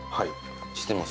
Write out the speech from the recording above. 知ってます